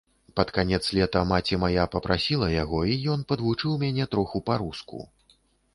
Пад канец лета маці мая папрасіла яго, і ён падвучыў мяне троху па-руску.